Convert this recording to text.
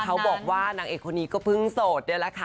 เขาบอกว่านางเอกคนนี้ก็เพิ่งโสดนี่แหละค่ะ